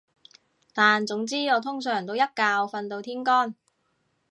但總之我通常都一覺瞓到天光